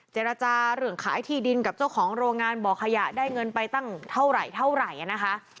เจรจาเรื่องขายที่ดินกับเจ้าของโรงงานบ่อขยะได้เงินไปตั้งเท่าไหร่เท่าไหร่นะคะ